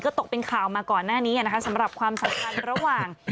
ก็ตกเป็นข่าวมาก่อนหน้านี้นะคะสำหรับความสัมพันธ์ระหว่าง